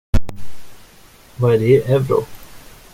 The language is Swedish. Vad är det i euro?